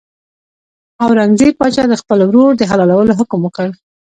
اورنګزېب پاچا د خپل ورور د حلالولو حکم وکړ.